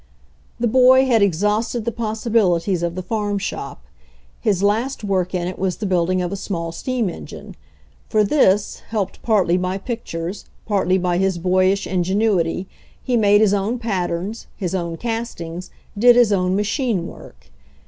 The boy had exhausted the possibilities of the farm shop. His last work in it was the building of a small steam engine. For this, helped partly by pictures, partly by his boyish ingenuity, he made his own patterns, his own castings, did his own machine work.